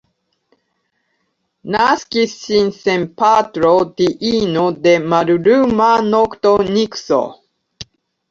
Naskis ŝin sen patro diino de malluma nokto Nikso.